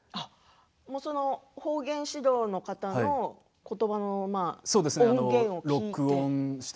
その方言指導の方のことばの音源を聞いて？